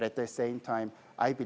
tetapi pada saat yang sama